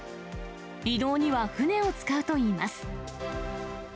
移動には舟を使うといいます。